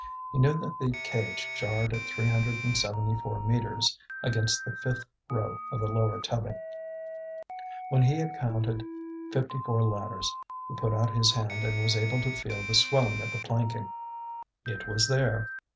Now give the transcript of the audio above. He knew that the cage jarred at three hundred and seventy four metres against the fifth row of the lower tubbing. When he had counted fifty four ladders he put out his hand and was able to feel the swelling of the planking. It was there.